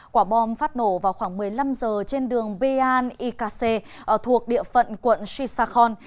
quả bom phát nổ vào khoảng một mươi năm h trên đường bean ikase thuộc địa phận quận shishakon